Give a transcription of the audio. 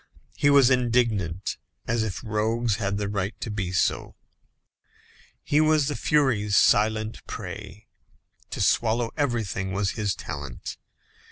He was indignant, as if rogues had the right to be so. He was the furies' silent prey. To swallow everything was his talent.